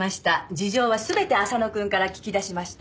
事情は全て浅野くんから聞き出しました。